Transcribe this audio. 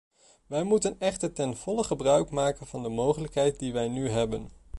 Wij moeten echter ten volle gebruik maken van de mogelijkheid die wij nu hebben.